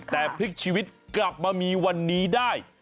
แต่พลิกชีวิตกลับมามีวันนี้ได้